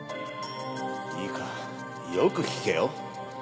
いいかよく聞けよ！